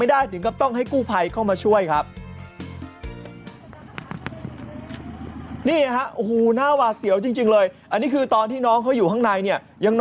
เวลาเราเจอข่าวเด็กติดรถเนี่ย